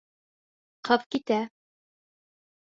Ҡыҙ китә.